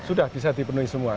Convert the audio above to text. sudah bisa dipenuhi semua